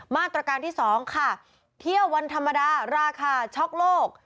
มาตรการที่๒ค่ะเที่ยววันธรรมดาราคาช็อกโลก